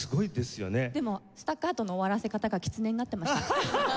でもスタッカートの終わらせ方がきつねになっていました。